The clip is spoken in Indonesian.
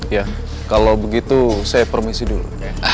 ya kalau begitu saya permisi dulu